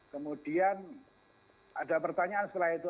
kemudian ada pertanyaan setelah itu